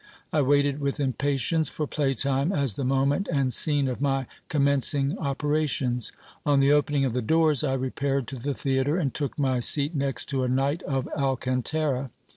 I waited with impatience for play time, as the moment and scene of my commencing opera tions. On the opening of the doors I repaired to the theatre, and took my seat next to a knight of Alcantara.